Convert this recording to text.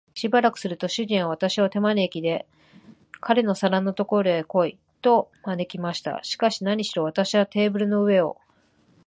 しばらくすると、主人は私を手まねで、彼の皿のところへ来い、と招きました。しかし、なにしろ私はテーブルの上を